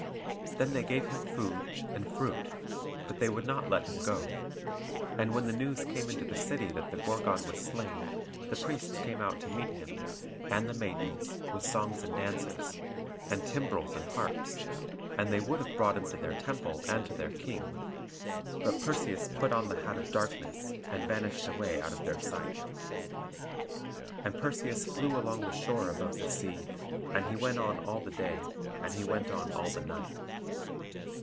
Then they gave him food, and fruit, but they would not let him go. And when the news came into the city that the Gorgon was slain, the priests came out to meet him, and the maidens, with songs and dances, and timbrels and harps; and they would have brought him to their temple and to their King; but Perseus put on the hat of darkness, and vanished away out of their sight. And Perseus flew along the shore above the sea; and he went on all the day; and he went on all the night.